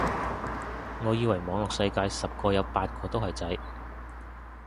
我以為網絡世界十個有八個都係仔